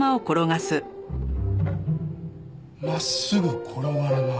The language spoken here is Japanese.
真っすぐ転がらない。